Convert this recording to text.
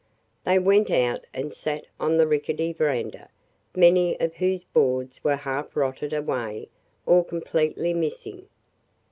They went out and sat on the rickety veranda, many of whose boards were half rotted away or completely missing.